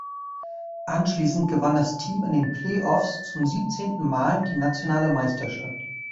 Anschließend gewann das Team in den Playoffs zum siebzehnten Mal die nationale Meisterschaft.